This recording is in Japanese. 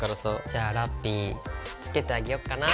じゃあラッピィ着けてあげようかな。